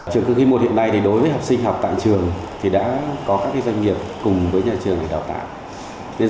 trường cư khí một hiện nay đối với học sinh học tại trường thì đã có các doanh nghiệp cùng với nhà trường để đào tạo